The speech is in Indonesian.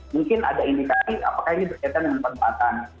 mungkin ada indikasi apakah ini berkaitan dengan penempatan